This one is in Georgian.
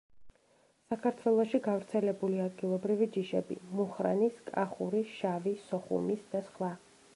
საქართველოში გავრცელებული ადგილობრივი ჯიშები: „მუხრანის“, „კახური“, „შავი“, „სოხუმის“ და სხვა.